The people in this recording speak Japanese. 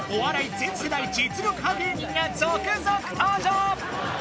全世代実力派芸人が続々登場！